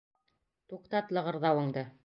Туҡтат лығырҙауыңды!